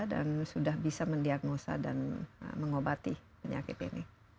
dan sudah bisa mendiagnosa dan mengobati penyakit ini